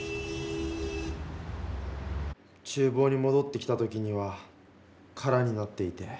ちゅうぼうにもどってきた時には空になっていて。